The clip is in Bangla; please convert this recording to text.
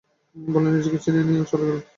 বলে নিজেকে ছিনিয়ে নিয়ে চলে গেল।